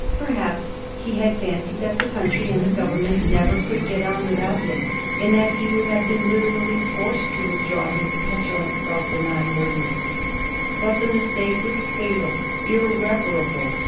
Per haps he had fancied that the country and the Government never could get on without him, and that he would have been literally forced to withdraw his petulant self deny ing ordinance. But the mistake was fatal, irreparable.